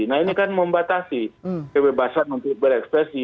nah ini kan membatasi kebebasan untuk berekspresi